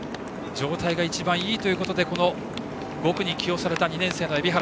状態が一番いいということで５区に起用された２年生の海老原。